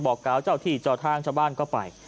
บอกเก้าเจ้าที่จอทางชาวบ้านก็ไป